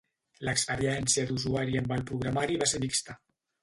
L'experiència d'usuari amb el programari va ser mixta.